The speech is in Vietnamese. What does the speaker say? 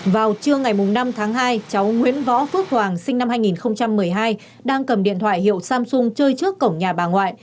vào trưa ngày năm tháng hai cháu nguyễn võ phước hoàng sinh năm hai nghìn một mươi hai đang cầm điện thoại hiệu samsung chơi trước cổng nhà bà ngoại